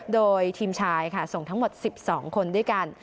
โดยทีมชายค่ะส่งทั้งหมด๑๒คนด้วยกัน